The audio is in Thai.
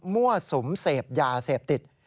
มั่วสุมเสพยาเสพติด